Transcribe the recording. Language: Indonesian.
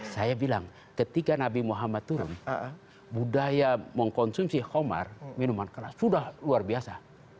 saya bilang ketika nabi muhammad turun budaya mengkonsumsi komar minuman keras sudah luar biasa